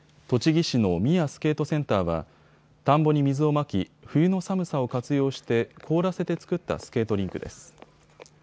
栃木市の宮スケートセンターは田んぼに水をまき、冬の寒さを活用して凍らせてつくったスケートリンクです。